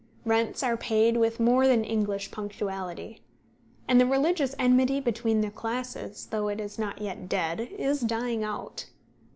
Rents are paid with more than English punctuality. And the religious enmity between the classes, though it is not yet dead, is dying out.